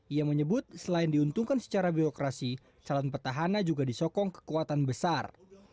ia menyebut selain diuntungkan secara birokrasi calon petahana juga disokong kekuatan besar